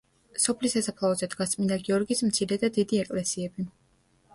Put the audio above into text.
სოფლის სასაფლაოზე დგას წმინდა გიორგის მცირე და დიდი ეკლესიები.